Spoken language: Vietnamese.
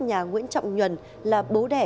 nhà nguyễn trọng nhuần là bố đẻ